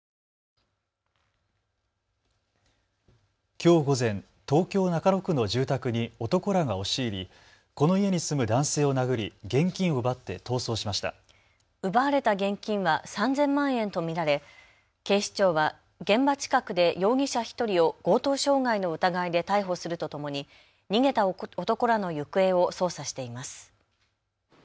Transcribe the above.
きょう午前、東京中野区の住宅に男らが押し入り、この家に住む男性を殴り現金を奪って逃走しました。奪われた現金は３０００万円と見られ警視庁は現場近くで容疑者１人を強盗傷害の疑いで逮捕するとともに逃げた男らの行方を捜査しています。